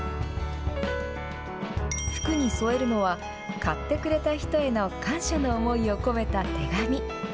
服に添えるのは買ってくれた人への感謝の思いを込めた手紙。